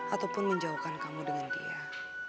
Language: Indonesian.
ataupun menjauhkan kamu dengan dia